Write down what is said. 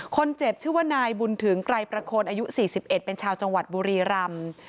คนเจ็บชื่อว่านายบุญถึงไกรประโคนอายุ๔๑เป็นชาวจังหวัดบุรีรำ